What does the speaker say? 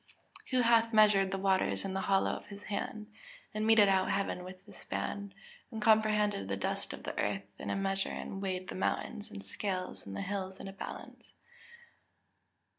[Verse: "Who hath measured the waters in the hollow of his hand, and meted out heaven with the span, and comprehended the dust of the earth in a measure and weighed the mountains in scales, and the hills in a balance?"